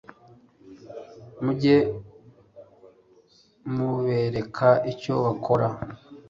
mujye mubereka icyo bakora